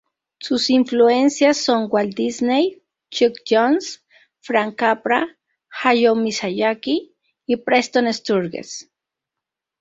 Sus influencias son Walt Disney, Chuck Jones, Frank Capra, Hayao Miyazaki y Preston Sturges.